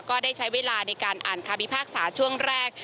ก็ได้ใช้เวลาในการอ่านคำพิพากษาช่วงแรก